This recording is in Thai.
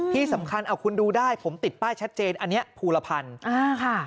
ที่สำคัญเอาคุณดูได้ผมติดป้ายชัดเจนอันนี้ภูลภัณฑ์